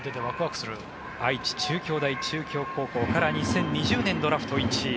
愛知・中京大中京高校から２０２０年、ドラフト１位。